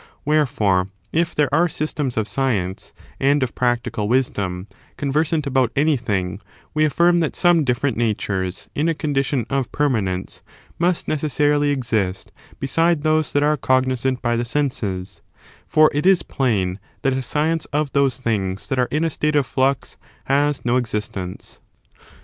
Wherefore, if. there are systems of science, and of practical wisdom, conversant about anything, we af&rm that some different natures, in a condition of permanence, must necessarily exist beside those that iare cognisant by the senses, for it is plain that a science of those things that are in a state of flux has no existence.